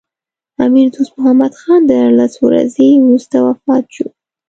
امیر دوست محمد خان دیارلس ورځې وروسته وفات شو.